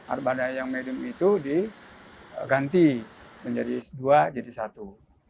armada yang medium itu diganti menjadi dua jadi satu